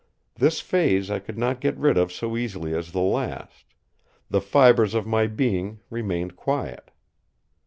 This phase I could not get rid of so easily as the last; the fibres of my being remained quiet.